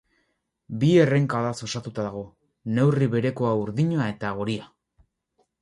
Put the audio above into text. Bi errenkadaz osatuta dago, neurri bereko urdina eta horia.